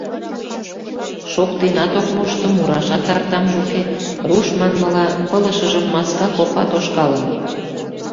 Шоктенат ок мошто, мурашат артамже уке, руш манмыла, пылышыжым маска копа тошкалын.